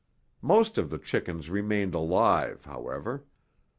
Most of the chickens remained alive, however.